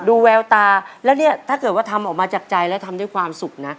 แววตาแล้วเนี่ยถ้าเกิดว่าทำออกมาจากใจแล้วทำด้วยความสุขนะ